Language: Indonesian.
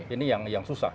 ini yang susah